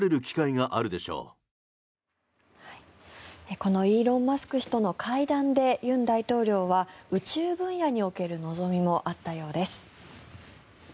このイーロン・マスク氏との会談で尹大統領は宇宙分野における望みもあったようです。